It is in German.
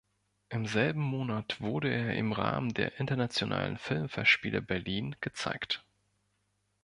Im selben Monat wurde er im Rahmen der Internationalen Filmfestspiele Berlin gezeigt.